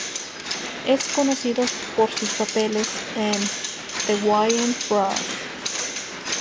Es conocido por sus papeles en "The Wayans Bros.